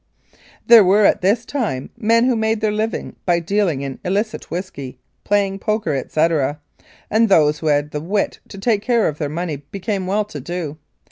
There were, at this time, men who made their living by dealing in illicit whisky, playing poker, etc., and those who had the wit to take care of their money became well to do.